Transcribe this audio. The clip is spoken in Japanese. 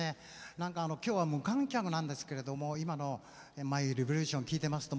何か、今日は無観客なんですけれども「ＭｙＲｅｖｏｌｕｔｉｏｎ」聴いていますと